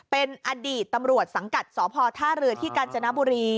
เป็นอดีตตำรวจสังกัดสพท่าเรือที่กาญจนบุรี